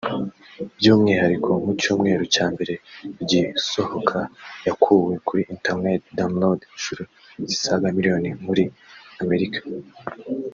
by’umwihariko mu cyumweru cya mbere igisohoka yakuwe kuri internet [download] inshuro zisaga miliyoni muri Amerika